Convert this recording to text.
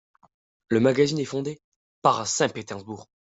Le magazine est fondé par à Saint-Pétersbourg.